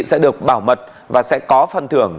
sẽ được bảo mật và sẽ có phần thưởng